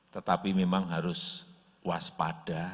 tetapi memang harus waspada